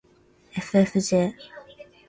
ｆｆｊ